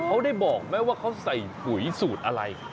เขาได้บอกไหมว่าเขาใส่ปุ๋ยสูตรอะไร